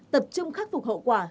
tập trung khắc phục hậu quả